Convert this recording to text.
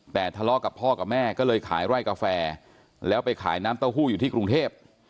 แต่ทะเลาะกับพ่อกับแม่ก็เลยขายไร่กาแฟแล้วไปขายน้ำเต้าหู้อยู่ที่กรุงเทพ